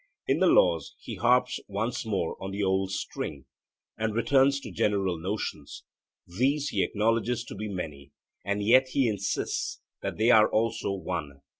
In the Laws he harps once more on the old string, and returns to general notions: these he acknowledges to be many, and yet he insists that they are also one.